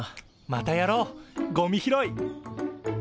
またやろうゴミ拾い！